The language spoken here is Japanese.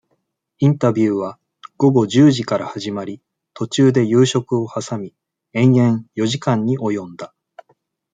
インタビューは、午後十時から始まり、途中で夕食をはさみ、延々、四時間に及んだ。